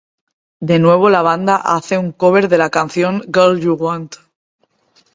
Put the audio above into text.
De nuevo la banda hace un cover de la canción "Girl U Want".